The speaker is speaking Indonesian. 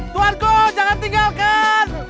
tuanku jangan tinggalkan